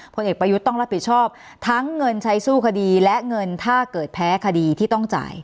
ผลเอกประยุทธ์ต้องรับผิดชอบทั้งเงินใช้สู้คดีและเงินถ้าเกิดแพ้คดีที่ต้องจ่าย